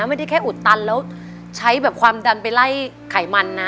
ไม่ได้แค่อุดตันแล้วใช้แบบความดันไปไล่ไขมันนะ